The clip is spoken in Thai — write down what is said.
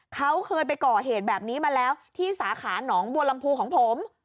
เขาเคยไปก่อเหตุแบบนี้มาแล้วที่สาขาหนองบัวลำพูของผม